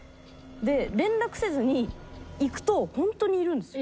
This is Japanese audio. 連絡せずに行くと本当にいるんですよ。